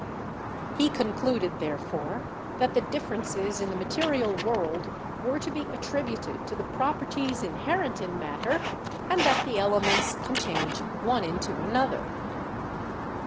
He concluded, therefore, that the differences in the material world were to be attributed to 14 CHEMISTRY the properties inherent in matter and that the elements can change one into another.